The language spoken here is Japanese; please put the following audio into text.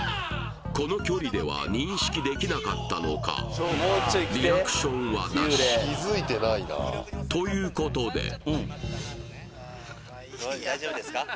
この距離では認識できなかったのかということで大丈夫ですか？